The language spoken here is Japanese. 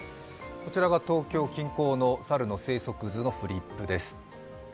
こちらが東京近郊の猿の生息図のフリップです。